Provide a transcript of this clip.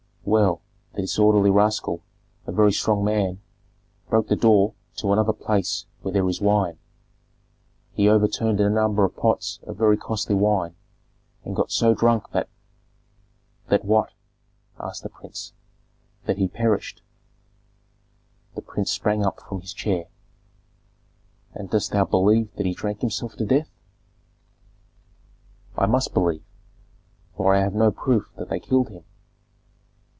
Well, the disorderly rascal, a very strong man, broke the door to another place where there is wine; he overturned a number of pots of very costly wine, and got so drunk that " "That what?" asked the prince. "That he perished." The prince sprang up from his chair. "And dost thou believe that he drank himself to death?" "I must believe, for I have no proof that they killed him."